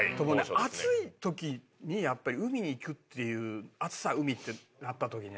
暑い時に海に行くっていう暑さ海ってなった時にね